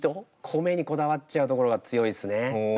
米にこだわっちゃうところが強いですね